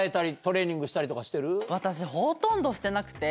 私。